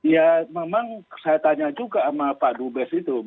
ya memang saya tanya juga sama pak dubes itu